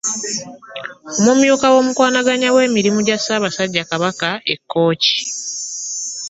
Omumyuka w'omukwanaganya w'emirimu gya Ssaabasajja Kabaka e Kkooki.